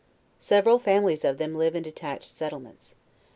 Sev eral families of tnem live in detached settlements.